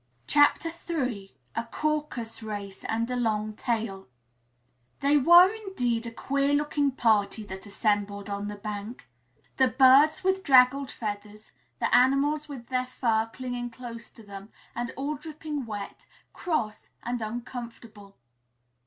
III A CAUCUS RACE AND A LONG TALE They were indeed a queer looking party that assembled on the bank the birds with draggled feathers, the animals with their fur clinging close to them, and all dripping wet, cross and uncomfortable.